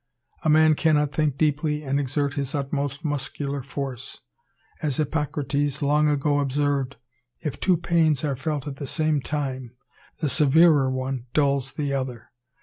A man cannot think deeply and exert his utmost muscular force. As Hippocrates long ago observed, if two pains are felt at the same time, the severer one dulls the other.